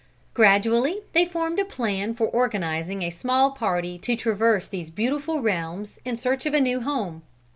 Gradually they formed a plan for organizing a small party to traverse these beautiful realms in search of a new home.